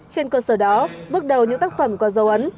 trên cơ sở đó bước đầu những tác phẩm có dấu ấn